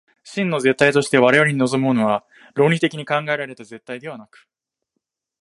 真の絶対として我々に臨むものは、論理的に考えられた絶対ではなく、